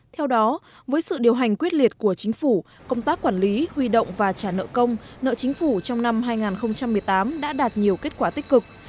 theo đó với sự điều hành quyết liệt của chính phủ công tác quản lý huy động và trả nợ công nợ chính phủ trong năm hai nghìn một mươi tám đã đạt nhiều kết quả tích cực